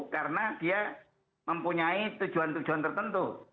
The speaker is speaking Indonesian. karena dia mempunyai tujuan tujuan tertentu